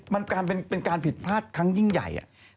มันเป็นการผิดพลาดครั้งยิ่งใหญ่